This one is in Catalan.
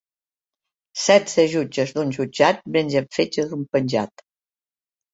Setze jutges d'un jutjat mengen fetge d'un penjat.